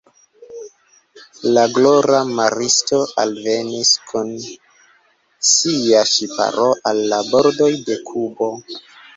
La glora maristo alvenis kun sia ŝiparo al la bordoj de Kubo.